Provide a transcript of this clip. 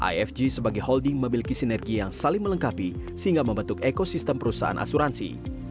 ifg sebagai holding memiliki sinergi yang saling melengkapi sehingga membentuk ekosistem perusahaan asuransi